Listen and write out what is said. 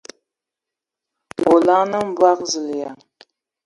O laŋanǝ o boo ! Zulǝyaŋ!